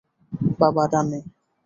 বাবা, ডানে।